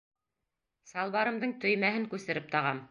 Салбарымдың төймәһен күсереп тағам.